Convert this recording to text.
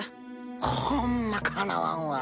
ホンマかなわんわ。